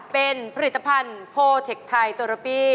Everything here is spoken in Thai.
เป็นผลิตภัณฑ์โพเทคไทยโตราปี้